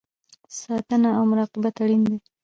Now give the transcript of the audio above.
ساتنه او مراقبت اړین دی